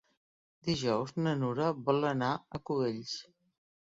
Dijous na Nura vol anar a Cubells.